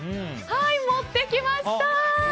持ってきました！